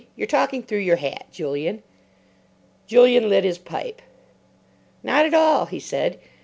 You're talking through your hat, Julian." Julian lit his pipe. "Not at all," he said.